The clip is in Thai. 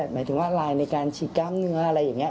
หมายถึงว่าลายในการฉีดกล้ามเนื้ออะไรอย่างนี้